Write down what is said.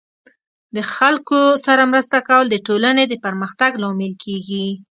د خلکو سره مرسته کول د ټولنې د پرمختګ لامل کیږي.